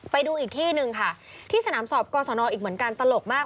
ไปดูอีกที่หนึ่งค่ะที่สนามสอบกรสนอีกเหมือนกันตลกมาก